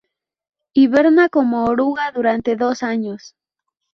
Hiberna como oruga durante dos años.